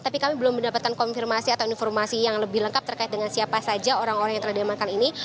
tapi kami belum mendapatkan konfirmasi atau informasi yang lebih lengkap terkait dengan siapa saja orang orang yang telah diamankan ini